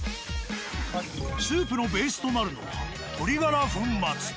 スープのベースとなるのは鶏ガラ粉末と。